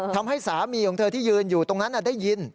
ทำให้สามีของเธอที่ยืนอยู่ตรงนั้นได้ยิน